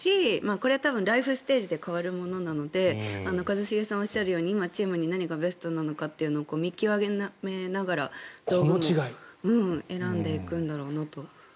これは多分ライフステージで変わるものなので一茂さんがおっしゃるように今、チームに何がベストなのかを見極めながら選んでいくんだろうなと。